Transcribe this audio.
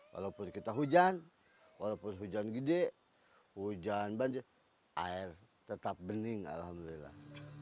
walaupun kita hujan walaupun hujan gede hujan banjir air tetap bening alhamdulillah